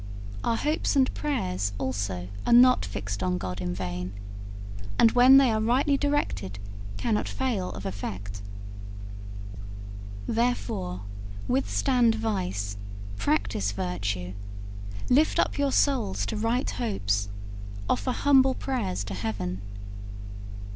Our hopes and prayers also are not fixed on God in vain, and when they are rightly directed cannot fail of effect. Therefore, withstand vice, practise virtue, lift up your souls to right hopes, offer humble prayers to Heaven.